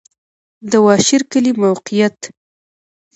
د واشر کلی موقعیت